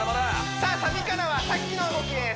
さあサビからはさっきの動きです